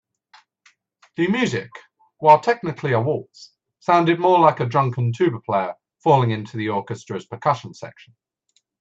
The music, while technically a waltz, sounded more like a drunken tuba player falling into the orchestra's percussion section.